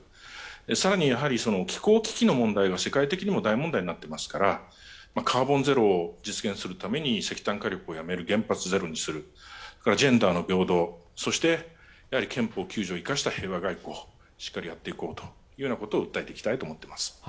さらに、気候危機の問題が世界的にも大問題になっていますからカーボンゼロを実現するために石炭火力をやめる、原発をゼロにする、そして、憲法９条を生かした平和外交をしっかりやっていこうということを訴えていきたいと思っています。